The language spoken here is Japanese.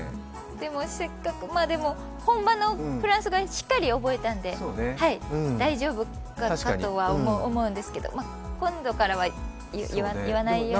でも本場のフランス語、しっかり覚えたんで大丈夫かとは思うんですけど今度からは言わないように。